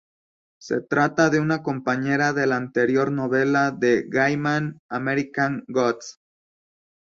Se trata de una compañera de la anterior novela de Gaiman "American Gods".